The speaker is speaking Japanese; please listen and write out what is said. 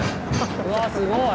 うわすごい。